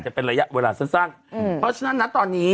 จะเป็นระยะเวลาสร้างสร้างอืมเพราะฉะนั้นน่ะตอนนี้